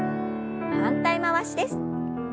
反対回しです。